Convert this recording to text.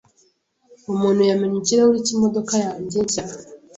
Umuntu yamennye ikirahuri cyimodoka yanjye nshya.